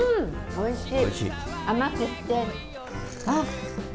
おいしい。